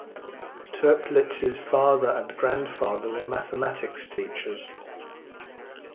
Toeplitz's father and grandfather were mathematics teachers.